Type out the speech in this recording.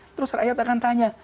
terus rakyat akan tanya